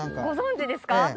ご存じですか？